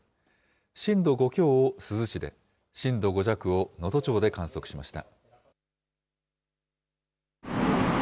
震度５強を珠洲市で、震度５弱を能登町で観測しました。